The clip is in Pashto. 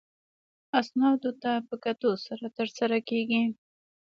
اسنادو ته په کتو سره ترسره کیږي.